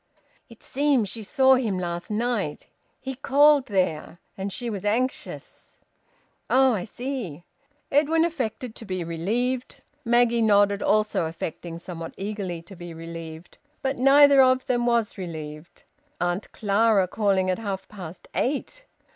"It seems she saw him last night. He called there. And she was anxious." "Oh! I see!" Edwin affected to be relieved. Maggie nodded, also affecting, somewhat eagerly, to be relieved. But neither of them was relieved. Auntie Clara calling at half past eight!